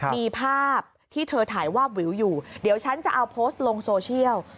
มีภาพที่เธอถ่ายวาบวิวอยู่เดี๋ยวฉันจะเอาโพสต์ลงโซเชียล